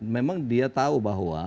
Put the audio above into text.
memang dia tahu bahwa